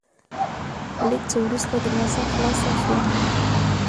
لېږ څه ورورسته دروازه خلاصه شوه،